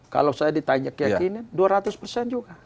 kalau saya ditanya keyakinan dua ratus persen juga